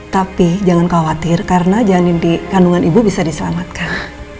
tapi jangan khawatir karena kandungan ibu bisa diselamatkan